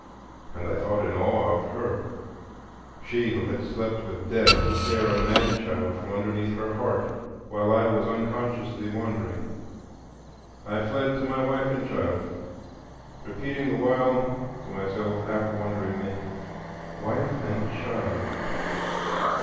And I thought in awe of her,—she who had slept with Death to tear a man child from underneath her heart, while I was unconsciously wandering. I fled to my wife and child, repeating the while to myself half wonderingly, "Wife and child?